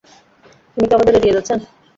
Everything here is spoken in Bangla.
উনি কি আমাদের এড়িয়ে যাচ্ছেন?